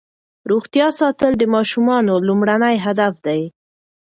روغتیا ساتل د ماشومانو لومړنی هدف دی.